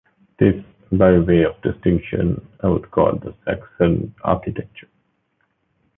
This, by way of distinction, I would call the Saxon Architecture.